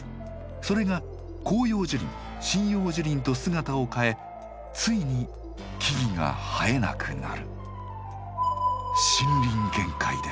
それが広葉樹林針葉樹林と姿を変えついに木々が生えなくなる。